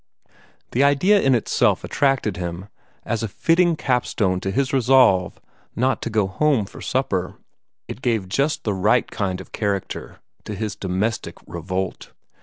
The idea in itself attracted him, as a fitting capstone to his resolve not to go home to supper. It gave just the right kind of character to his domestic revolt.